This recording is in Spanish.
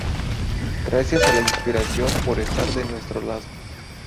Gracias a la inspiración por estar de nuestro lado.